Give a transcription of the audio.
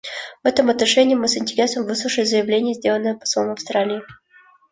В этом отношении мы с интересом выслушали заявление, сделанное послом Австралии.